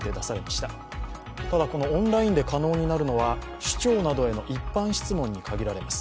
ただ、このオンラインで可能になるのは首長などへの一般質問に限られます。